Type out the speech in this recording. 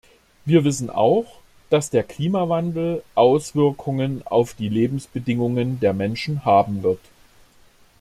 Wir wissen auch, dass der Klimawandel Auswirkungen auf die Lebensbedingungen der Menschen haben wird.